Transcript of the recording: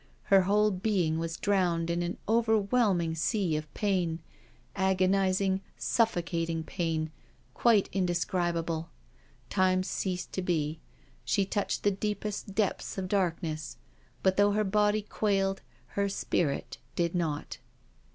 Her whole being was drowned in an overwhelming sea of pain — agonising, suffocating pain, quite indescribable. Time ceased to be. She touched the deepest depths of darkness. But though her body quailed, her spirit did not.